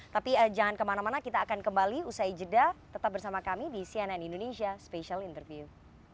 tapi jangan kemana mana kita akan kembali usai jeda tetap bersama kami di cnn indonesia special interview